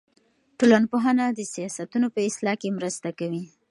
ټولنپوهنه د سیاستونو په اصلاح کې مرسته کوي.